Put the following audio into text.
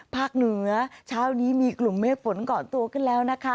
เหนือเช้านี้มีกลุ่มเมฆฝนเกาะตัวขึ้นแล้วนะคะ